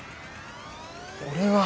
俺は。